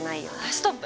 ストップ！